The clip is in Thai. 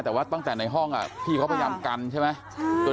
แต่ว่าตั้งแต่ในห้องพี่เขาพยายามกันใช่ไหม